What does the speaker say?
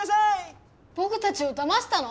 ぼくたちをだましたの？